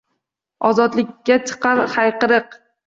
Ozodlikka chiqar hayqiriq.